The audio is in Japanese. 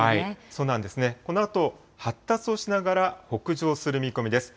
そうなんですね、このあと、発達をしながら北上する見込みです。